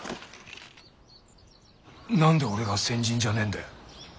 何で俺が先陣じゃねえんだよ。